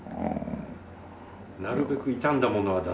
なるべく傷んだものは出さない。